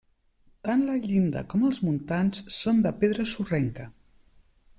Tant la llinda com els muntants són de pedra sorrenca.